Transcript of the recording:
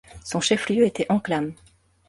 Son chef-lieu était Anklam.